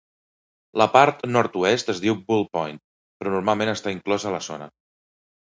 La part nord-oest es diu Bull Point, però normalment està inclosa a la zona.